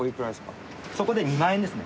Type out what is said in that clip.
そこで２万円ですね。